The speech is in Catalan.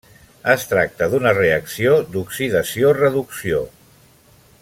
Es tracta d'una reacció d'oxidació-reducció.